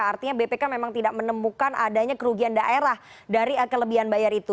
artinya bpk memang tidak menemukan adanya kerugian daerah dari kelebihan bayar itu